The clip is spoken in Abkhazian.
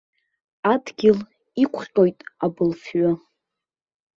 Адгьыл иқәҟьоит абылфҩы.